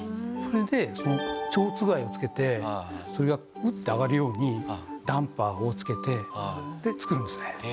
それで蝶番をつけてそれがウッて上がるようにダンパーをつけてで作るんですね。